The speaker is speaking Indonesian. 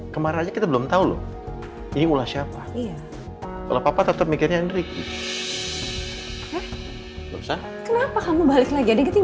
karena lagi kita belum tahu ini mulas syaft altopo jumpat anda wszystkim